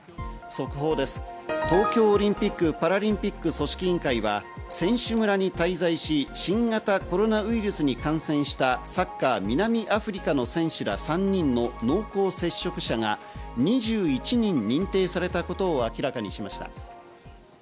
東京オリンピック・パラリンピック組織委員会は、選手村に滞在し、新型コロナウイルスに感染したサッカー南アフリカの選手ら３人の濃厚接触者が２１人認定されたことを明らかにしました。